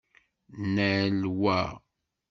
Nnal wa!